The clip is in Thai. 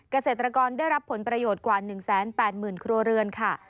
เกษตรกรได้รับผลประโยชน์กว่า๑๘๐๐๐ครัวเรือนค่ะ